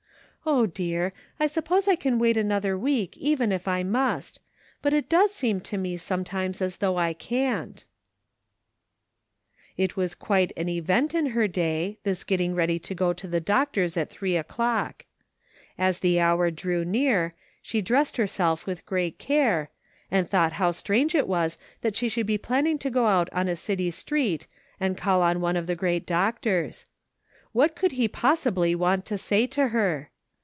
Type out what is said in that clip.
O, dear! I suppose 1 can wait another week even if I must ; but it does seem to me sometimes as though I can't," 168 "SO YOU \^ANT TO GO QOMEf^' It was quite an event in her day, this getting ready to go to the doctor's at three o'clock. As the hour drew near, she dressed herself with great care, and thought how strange it was that she should be planning to go out on a city street and call on one of the great doctors. What could he possibly want to say to her